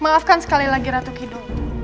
maafkan sekali lagi ratu kidul